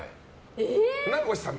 船越さん